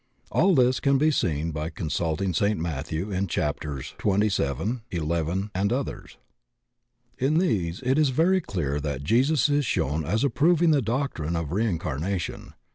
All this can be seen by consulting St. Matthew in chapters xvii, xi, and others. In these it is very clear that Jesus is shown as ap proving the doctrine of reincarnation.